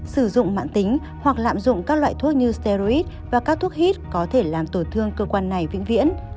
sử dụng mạng tính hoặc lạm dụng các loại thuốc như sterid và các thuốc hít có thể làm tổn thương cơ quan này vĩnh viễn